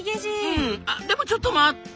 うんでもちょっと待った！